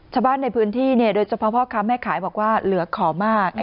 ชาวบ้านในพื้นที่โดยเฉพาะพ่อค้าแม่ขายบอกว่าเหลือขอมาก